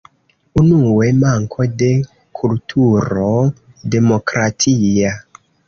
Unue: manko de kulturo demokratia.